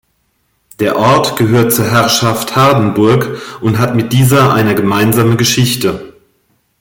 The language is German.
Der Ort gehörte zur Herrschaft Hardenburg und hat mit dieser eine gemeinsame Geschichte.